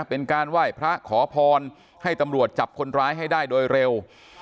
เป็นการไหว้พระขอพรให้ตำรวจจับคนร้ายให้ได้โดยเร็ว